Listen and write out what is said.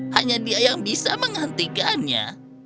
hanya dia yang bisa menghentikannya